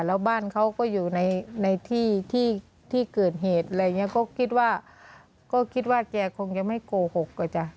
แล้วบ้านเขาก็อยู่ในที่เกิดเหตุอะไรอย่างนี้ก็คิดว่าแกคงจะไม่โกหกอะจ้ะ